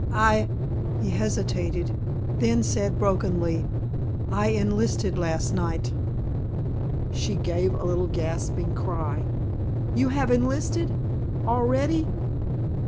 I"—he hesitated, then said brokenly,—"I enlisted last night." She gave a little gasping cry. "You have enlisted—already?